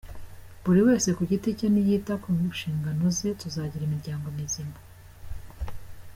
Buri wese ku giti cye niyita ku nshingano ze tuzagira imiryango mizima”.